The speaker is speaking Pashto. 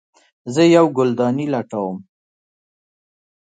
زه یوه ګلدانۍ لټوم